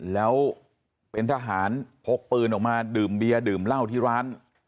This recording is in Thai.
แล้วเป็นทหารพกปืนออกมาดื่มเบียร์ดื่มเหล้าที่ร้าน